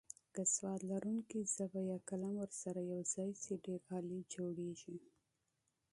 که سواد لرونکې ژبه یا قلم ورسره یوځای شي ډېر عالي جوړیږي.